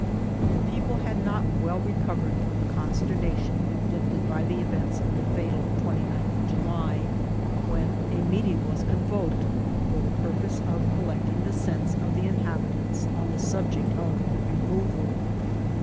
•.•" The people had not well recovered from the conster nation inflicted by the events of the fatal 29th of July, when a meeting was convoked for the purpose of col lecting the sense of the inhabitants on the subject of the removal."